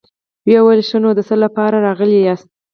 ويې ويل: ښه نو، د څه له پاره راغلي ياست؟